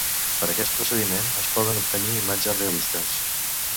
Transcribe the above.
Per aquest procediment, es poden obtenir imatges realistes.